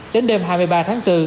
đến đêm hai mươi ba tháng bốn